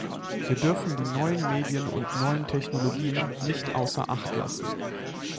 Wir dürfen die neuen Medien und neuen Technologien nicht außer Acht lassen.